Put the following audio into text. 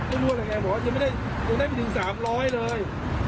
ไม่รู้อะไรไงบอกว่ายังไม่ได้ยังได้ไม่ถึง๓๐๐เลย